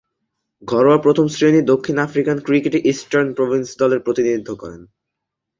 ঘরোয়া প্রথম-শ্রেণীর দক্ষিণ আফ্রিকান ক্রিকেটে ইস্টার্ন প্রভিন্স দলের প্রতিনিধিত্ব করেন।